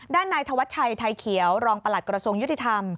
ด้านในธวัชชัยไทยเขียวรองประหลัดกรสงค์ยุทธิธรรม